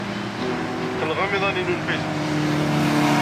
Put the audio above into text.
Qqneɣ amiḍan-inu n Facebook.